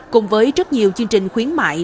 cùng với rất nhiều chương trình khuyến mãi